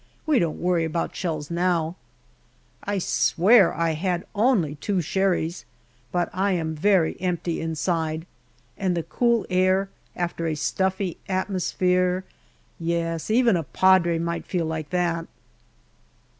We don't worry about shells, now ! I swear that I had only two sherries ; but I am very empty inside, and the cool air, after a stuffy atmosphere Yes ! even a Padre might feel like that.